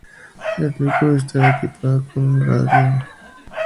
El vehículo estaba equipado con una radio No.